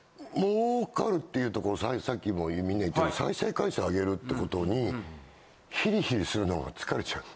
儲かるっていうとさっきもみんな言ってる再生回数あげるってことにヒリヒリするのが疲れちゃう。